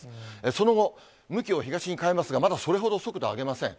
その後、向きを東に変えますが、まだそれほど速度を上げません。